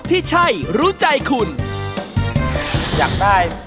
อยากได้